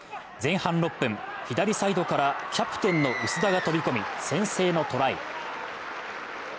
前半６分、左サイドからキャプテンの薄田が飛び込み、先制のトライ。